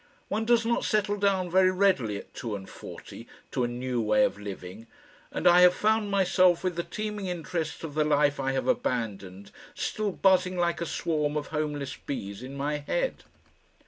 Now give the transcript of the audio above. One does not settle down very readily at two and forty to a new way of living, and I have found myself with the teeming interests of the life I have abandoned still buzzing like a swarm of homeless bees in my head.